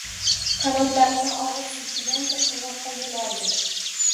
Qanotlarini og‘ir silkigancha qirg‘oqqa yo‘l oldi.